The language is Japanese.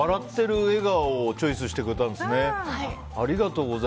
笑顔をチョイスしてくれたんですね。